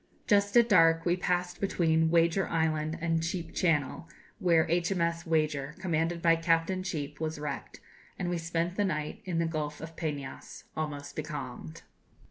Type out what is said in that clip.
Just at dark, we passed between Wager Island and Cheape Channel, where H.M.S. 'Wager,' commanded by Captain Cheape, was wrecked, and we spent the night in the Gulf of Peñas, almost becalmed.